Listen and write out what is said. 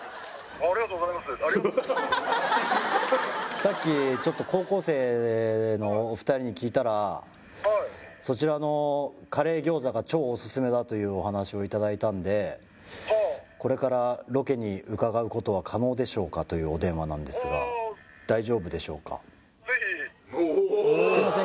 さっきちょっと高校生のお二人に聞いたらそちらのカレー餃子が超オススメだというお話をいただいたんでこれからロケに伺うことは可能でしょうか？というお電話ですがすいません